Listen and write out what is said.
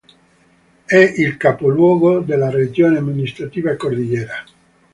È il capoluogo della Regione Amministrativa Cordillera.